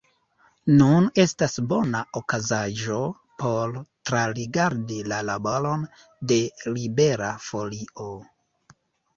Nun estas bona okazaĵo por trarigardi la laboron de Libera Folio.